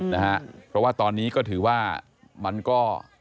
นะฮะเพราะว่าตอนนี้ก็ถือว่ามันก็